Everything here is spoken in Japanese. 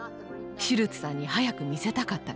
シュルツさんに早く見せたかったから。